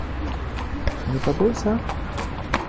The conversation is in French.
Ça n’est pas beau, ça ?